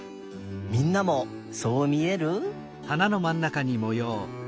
みんなもそうみえる？